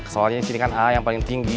soalnya disini kan aa yang paling tinggi